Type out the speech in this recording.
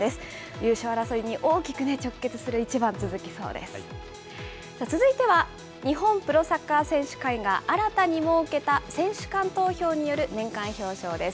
優勝争いに大きく直結する一番、続きそうです。